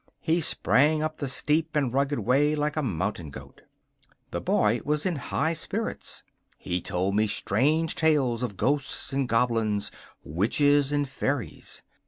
He sprang up the steep and rugged way like a mountain goat. The boy was in high spirits. He told me strange tales of ghosts and goblins, witches and fairies.